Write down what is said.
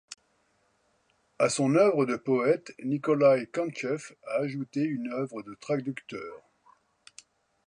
À son œuvre de poète, Nikolaï Kantchev a ajouté une œuvre de traducteur.